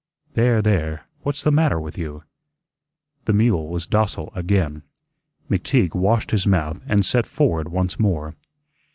"There, there, what's the matter with you?" The mule was docile again. McTeague washed his mouth and set forward once more.